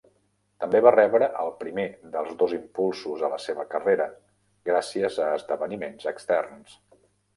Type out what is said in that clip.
També va rebre el primer dels dos impulsos a la seva carrera gràcies a esdeveniments externs.